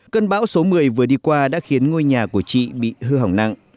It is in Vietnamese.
cơn bão số một mươi vừa đi qua đã khiến ngôi nhà của chị bị hư hỏng nặng